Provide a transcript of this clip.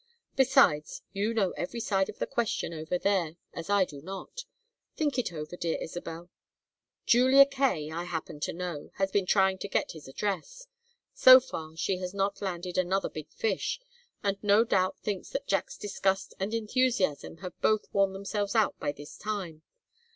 Besides, you know every side of the question over there as I do not. Think it over, dear Isabel.... Julia Kaye, I happen to know, has been trying to get his address. So far, she has not landed another big fish, and no doubt thinks that Jack's disgust and enthusiasm have both worn themselves out by this time.